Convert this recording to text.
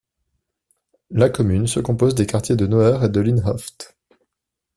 La commune se compose des quartiers de Noer et de Lindhöft.